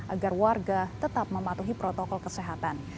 agar warga tetap mematuhi protokol kesehatan